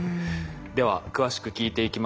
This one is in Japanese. では詳しく聞いていきましょう。